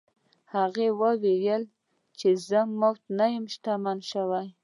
هغه وویل چې زه مفت نه یم شتمن شوی.